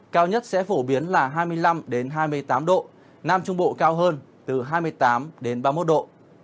cao nhất sẽ phổ biến là hai mươi năm hai mươi tám độ nam trung bộ cao hơn từ hai mươi tám đến ba mươi một độ